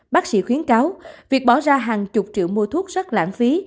bác sĩ khuyến cáo việc bỏ ra hàng chục triệu mua thuốc rất lãng phí